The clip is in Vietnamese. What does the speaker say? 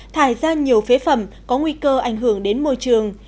thải ra nhiều phế phẩm có nguy cơ ảnh hưởng đến môi trường